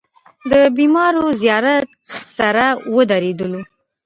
د بېمارو زيارت سره ودرېدلو.